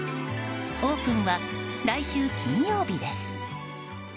オープンは来週金曜日です。